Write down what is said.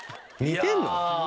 似てるの？